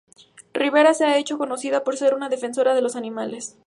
Rivera se ha hecho conocida por ser una defensora de los animales.